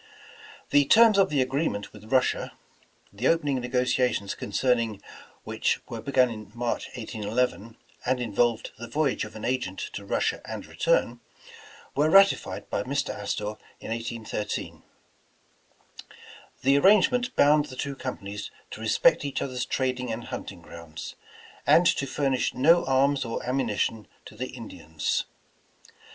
The terms of the agreement with Russia, the opening negotiations concerning which were begun in March, 1811, and involved the voyage of an agent to Russia and return, were ratified by Mr. Astor in 1813. The ar rangement bound the two companies to respect each other's trading and hunting grounds, and to furnish no arms or ammunition to the Indians.